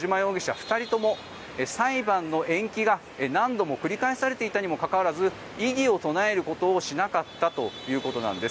２人とも裁判の延期が何度も繰り返されていたにもかかわらず異議を唱えることをしなかったということです。